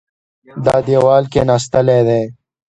دا دېوال کېناستلی دی.